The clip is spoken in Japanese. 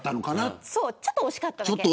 ちょっと惜しかっただけ。